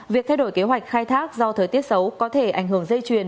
việc thay đổi kế hoạch khai thác do thời tiết xấu có thể ảnh hưởng dây chuyền